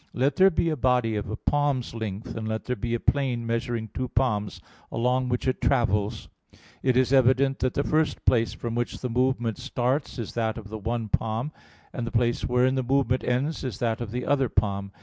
Let there be a body of a palm's length, and let there be a plane measuring two palms, along which it travels; it is evident that the first place from which the movement starts is that of the one palm; and the place wherein the movement ends is that of the other palm.